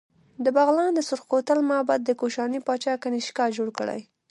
د بغلان د سورخ کوتل معبد د کوشاني پاچا کنیشکا جوړ کړی